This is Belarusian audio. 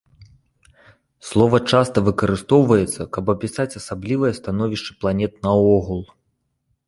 Слова часта выкарыстоўваецца, каб апісаць асаблівае становішча планет наогул.